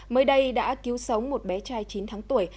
mới đây đã cứu sống một bé trai chín tháng tuổi